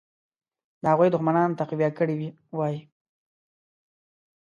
د هغوی دښمنان تقویه کړي وای.